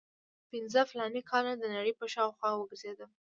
پنځه فلاني کاله د نړۍ په شاوخوا وګرځېدم.